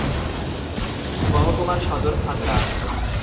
মহকুমার সদর খাতড়া।